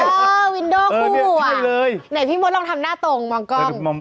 วินโดคู่อ่ะไหนพี่มดลองทำหน้าตรงมองกล้อง